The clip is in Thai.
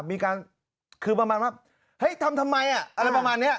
เฮ้ทำทำไมอะไรประมาณนี้